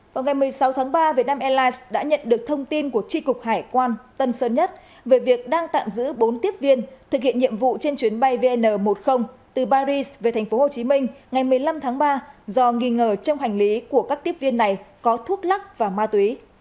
vào ngày một mươi sáu tháng ba vietnam airlines đã nhận được thông tin của tri cục hải quan tân sơn nhất về việc đang tạm giữ bốn tiếp viên thực hiện nhiệm vụ trên chuyến bay vn một mươi từ paris về tp hcm ngày một mươi năm tháng ba do nghi ngờ trong hành lý của các tiếp viên này có thuốc lắc và ma túy